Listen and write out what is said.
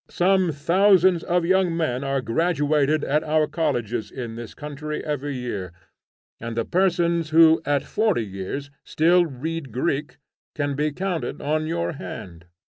Some thousands of young men are graduated at our colleges in this country every year, and the persons who, at forty years, still read Greek, can all be counted on your hand.